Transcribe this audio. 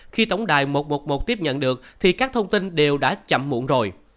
khi tổng đài một trăm một mươi một tiếp nhận được thì các thông tin đều đã chậm muộn rồi